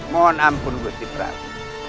mohon ampun gusti prabu